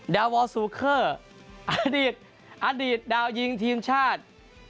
ดาวอลซูเคอร์อดีตอดีตดาวยิงทีมชาติ